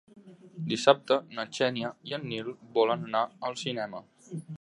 Dissabte na Xènia i en Nil volen anar al cinema.